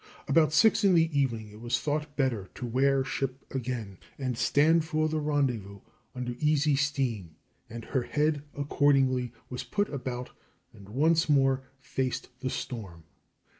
About six in the evening it was thought better to "wear ship" again and stand for the rendezvous under easy steam, and her head accordingly was put about and once more faced the storm.